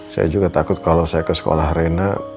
saya juga takut kalau saya ke sekolah rena